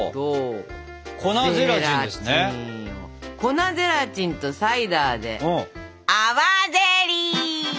粉ゼラチンとサイダーで泡ゼリー！